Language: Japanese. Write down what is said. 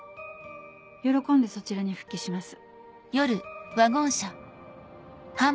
喜んでそちらに復帰します。